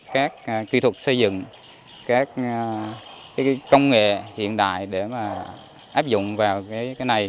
các kỹ thuật xây dựng các công nghệ hiện đại để mà áp dụng vào cái này